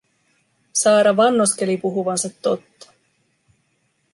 Saara vannoskeli puhuvansa totta.